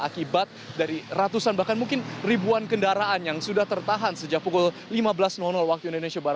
akibat dari ratusan bahkan mungkin ribuan kendaraan yang sudah tertahan sejak pukul lima belas waktu indonesia barat